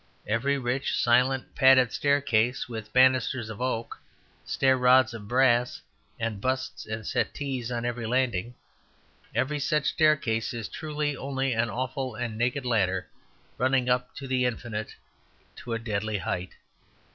Every rich, silent, padded staircase, with banisters of oak, stair rods of brass, and busts and settees on every landing, every such staircase is truly only an awful and naked ladder running up into the Infinite to a deadly height.